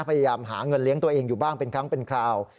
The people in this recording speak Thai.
พยายามหาเงินเลี้ยงตัวเองอยู่บ้างเป็นครั้งเป็นคราว